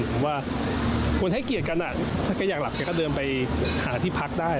ผมว่าคนให้เกียรติกันถ้าแกอยากหลับแกก็เดินไปหาที่พักได้